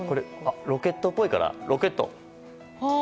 ロケットっぽいからロケット。はあ。